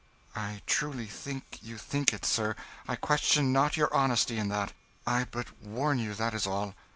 "I truly think you think it, sir. I question not your honesty in that; I but warn you, that is all.